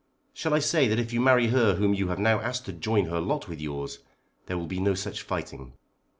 Shall I say that if you marry her whom you have now asked to join her lot with yours, there will be no such fighting?